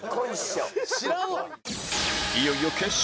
いよいよ決勝